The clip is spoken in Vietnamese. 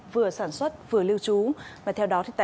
vừa sử dụng bài viết